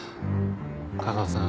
架川さん